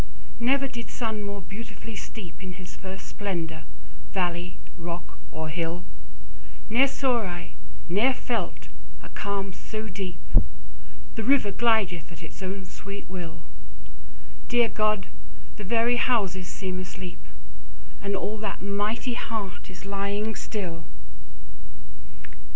Never did sun more beautifully steep In his first splendour, valley, rock, or hill; 10 Ne'er saw I, never felt, a calm so deep! The river glideth at his own sweet will: Dear God! the very houses seem asleep; And all that mighty heart is lying still!